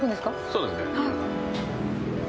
そうですね。